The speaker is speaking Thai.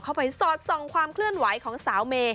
เข้าไปสอดส่องความเคลื่อนไหวของสาวเม